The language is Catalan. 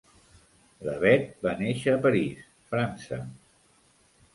Levet va néixer a París, França.